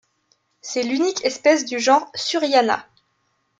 C'est l'unique espèce du genre Suriana.